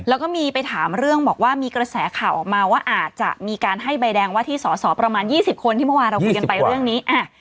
แล้วก็มีไปถามเรื่องบอกว่ามีกระแสข่าวออกมาว่าอาจจะมีการให้ใบแดงว่าที่สอสอประมาณ๒๐คนที่เมื่อวานเราคุยกันไปเรื่องนี้